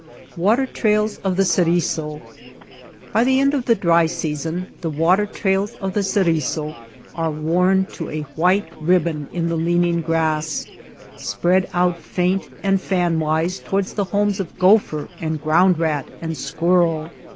s / WATER TRAILS OF THE CERISO BY the end of the dry season the water trails of the Ceriso are worn to a white ribbon in the leaning grass, spread out faint and fanwise toward the homes of gopher and ground rat and squirrel.